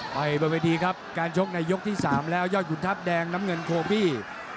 ไปบนเวทีครับการชกในยกที่๓แล้วยอดขุนทัพแดงน้ำเงินโคบี้